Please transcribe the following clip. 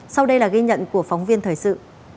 sau đây là ghi nhận của phóng viên thời sự